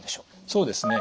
そうですね。